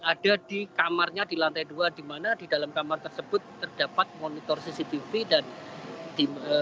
ada di kamarnya di lantai dua di mana di dalam kamar tersebut terdapat monitor cctv dan tim